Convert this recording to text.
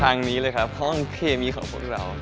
ทางนี้เลยครับห้องเคมีของพวกเรา